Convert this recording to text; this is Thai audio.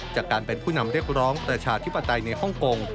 จากการเป็นผู้นำเรียกร้องประชาธิปไตยในฮ่องกง